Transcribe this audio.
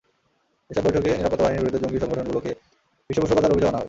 এসব বৈঠকে নিরাপত্তা বাহিনীর বিরুদ্ধে জঙ্গি সংগঠনগুলোকে পৃষ্ঠপোষকতার অভিযোগ আনা হয়।